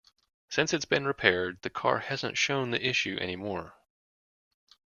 Since it's been repaired, the car hasn't shown the issue any more.